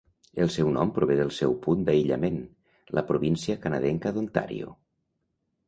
El seu nom prové del seu punt d'aïllament, la província canadenca d'Ontàrio.